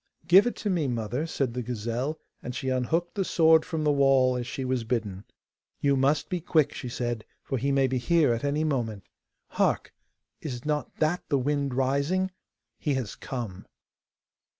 'Give it to me, mother!' said the gazelle, and she unhooked the sword from the wall, as she was bidden. 'You must be quick,' she said, 'for he may be here at any moment. Hark! is not that the wind rising? He has come!